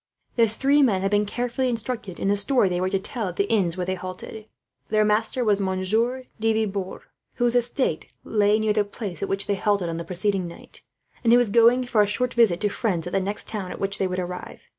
The three men had been carefully instructed in the story they were to tell, at the inns where they halted. Their master was Monsieur de Vibourg, whose estate lay near the place at which they halted on the preceding night; and who was going for a short visit, to friends, at the next town at which they would arrive.